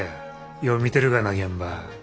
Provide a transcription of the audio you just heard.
よう見てるがな現場。